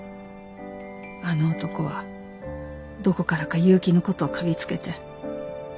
あの男はどこからか結城のことを嗅ぎつけて。